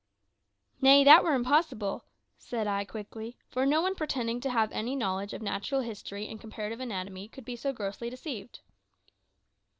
"Nay, that were impossible," said I quickly; "for no one pretending to have any knowledge of natural history and comparative anatomy could be so grossly deceived."